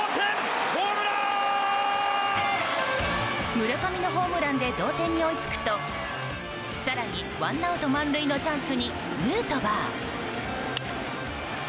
村上のホームランで同点に追いつくと更にワンアウト満塁のチャンスにヌートバー。